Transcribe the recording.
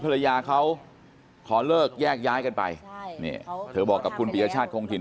ภรรยาเขาขอเลิกแยกย้ายกันไปใช่นี่เธอบอกกับคุณปียชาติคงถิ่น